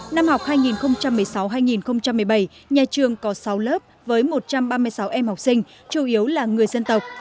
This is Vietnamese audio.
năm học hai nghìn một mươi sáu hai nghìn một mươi bảy nhà trường có sáu lớp với một trăm ba mươi sáu em học sinh chủ yếu là người dân tộc